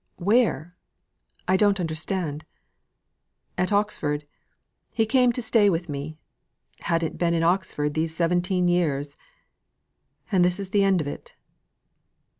"Where? I don't understand!" "At Oxford. He came to stay with me: hadn't been in Oxford this seventeen years and this is the end of it."